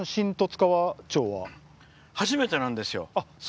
初めてなんですよ。